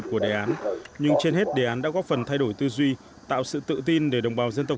của đề án nhưng trên hết đề án đã góp phần thay đổi tư duy tạo sự tự tin để đồng bào dân tộc